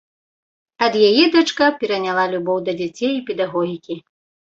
Ад яе дачка пераняла любоў да дзяцей і педагогікі.